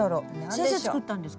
先生作ったんですか？